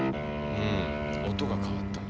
うん音が変わった。